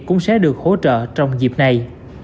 cũng sẽ được hỗ trợ trong dịp này